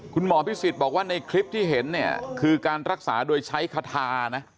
คุณหมอพิสิทธิ์บอกว่าในคลิปที่เห็นเนี่ยคือการรักษาโดยใช้คาทานะ